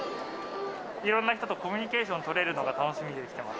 いろんな人とコミュニケーションを取れるのが楽しみで来てます。